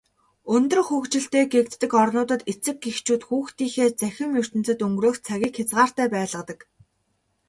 Өндөр хөгжилтэй гэгддэг орнуудад эцэг эхчүүд хүүхдүүдийнхээ цахим ертөнцөд өнгөрөөх цагийг хязгаартай байлгадаг.